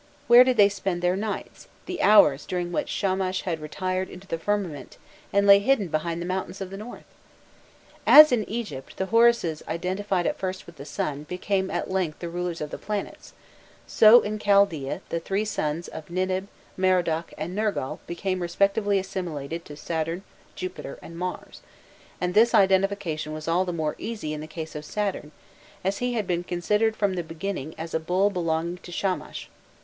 Where did they spend their nights, the hours during which Shamash had retired into the firmament, and lay hidden behind the mountains of the north? As in Egypt the Horuses identified at first with the sun became at length the rulers of the planets, so in Chaldaea the three suns of Ninib, Merodach, and Nergal became respectively assimilated to Saturn, Jupiter, and Mars;* and this identification was all the more easy in the case of Saturn, as he had been considered from the beginning as a bull belonging to Shamash.